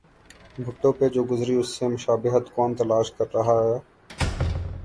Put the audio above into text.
بھٹو پہ جو گزری اس سے مشابہت کون تلاش کر رہا ہے؟